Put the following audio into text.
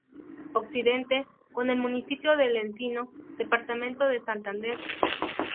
Occidente: Con el municipio del Encino, departamento de Santander.